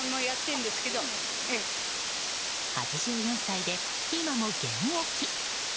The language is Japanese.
８４歳で今も現役。